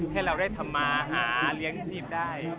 ให้เราได้ทำมาหาเลี้ยงชีพได้